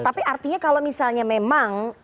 tapi artinya kalau misalnya memang